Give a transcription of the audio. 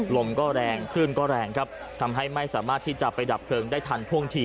ลมก็แรงคลื่นก็แรงครับทำให้ไม่สามารถที่จะไปดับเพลิงได้ทันท่วงที